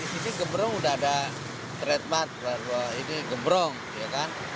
di sini gemprong sudah ada trademark bahwa ini gemprong ya kan